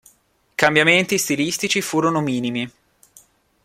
I cambiamenti stilistici furono minimi.